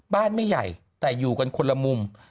ไม่ใหญ่แต่อยู่กันคนละมุม